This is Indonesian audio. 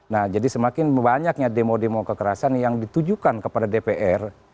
nah jadi semakin banyaknya demo demo kekerasan yang ditujukan kepada dpr